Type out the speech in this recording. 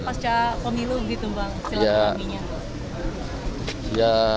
tapi kan pasca pemilu gitu bang silaturahminya